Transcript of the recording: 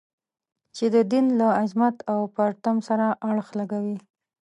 چې د دین له عظمت او پرتم سره اړخ لګوي.